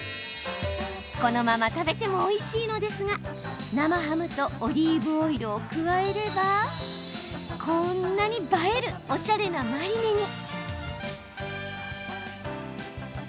このまま食べてもおいしいのですが生ハムとオリーブオイルを加えればこんなに映えるおしゃれなマリネに。